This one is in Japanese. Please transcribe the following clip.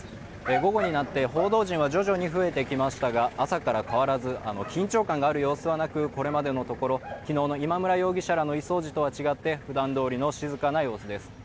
午後になって、報道陣は徐々に増えてきましたが朝から変わらず、緊張感がある様子はなく、これまでのところ昨日の今村容疑者らの移送時とは違ってふだんどおりの静かな様子です。